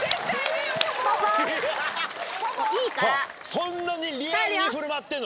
そんなにリアルに振る舞ってんの？